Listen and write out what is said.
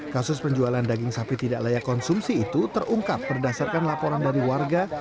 kasus penjualan daging sapi tidak layak konsumsi itu terungkap berdasarkan laporan dari warga